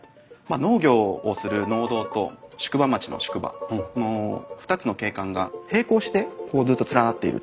農業をする農道と宿場町の宿場の２つの景観が平行してずっと連なっている地域。